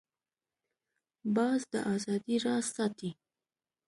باز د آزادۍ راز ساتي